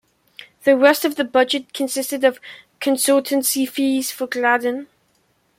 The rest of the budget consisted of consultancy fees for Gladden.